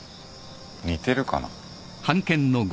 似てるかな？